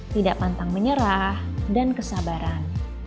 tidak pantang menyerah dan kesabaran